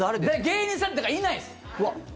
芸人さんってかいないです。